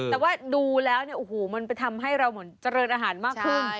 แต่ว่าดูแล้วมันไปทำให้เราเหมือนเจริญอาหารมากขึ้น